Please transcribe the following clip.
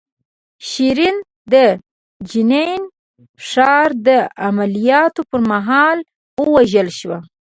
شیرین د جنین ښار د عملیاتو پر مهال ووژل شوه.